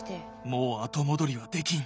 もう後戻りはできん。